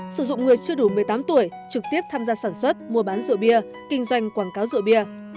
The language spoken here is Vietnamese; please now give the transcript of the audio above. sử dụng người chưa đủ một mươi tám tuổi trực tiếp tham gia sản xuất mua bán rượu bia kinh doanh quảng cáo rượu bia